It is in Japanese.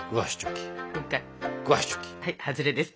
はいハズレです！